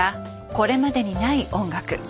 これまでにない音楽。